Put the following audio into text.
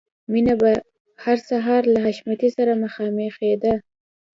مینه به هر سهار له حشمتي سره مخامخېده